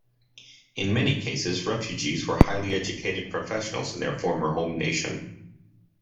In many cases, Refugees were highly educated professionals in their former home nation.